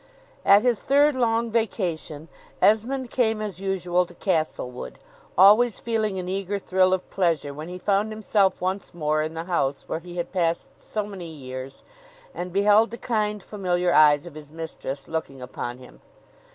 At his third long vacation, Esmond came as usual to Castlewood, always feeling an eager thrill of pleasure when he found himself once more in the house where he had passed so many years, and beheld the kind familiar eyes of his mistress looking upon him.